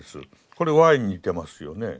これ「ｙ」に似てますよね。